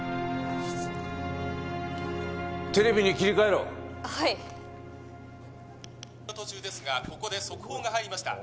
テレビに切り替えろはい途中ですがここで速報が入りました